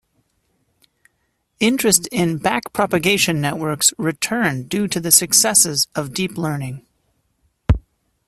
Interest in backpropagation networks returned due to the successes of deep learning.